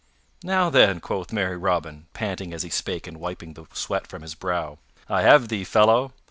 "Now then," quoth merry Robin, panting as he spake and wiping the sweat from his brow, "I have thee, fellow.